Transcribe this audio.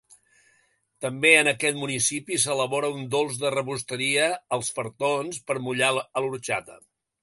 També, en aquest municipi, s'elabora un dolç de rebosteria, els fartons, per mullar a l'orxata.